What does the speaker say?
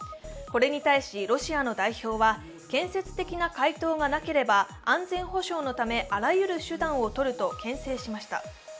これに対し、ロシアの代表は建設的な回答がなければ安全保障のためあらゆる手段をとるとけん制しました。